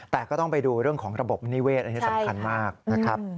แต่ก็ต้องไปดูเรื่องของระบบนิเวศอันนี้สำคัญมากนะครับ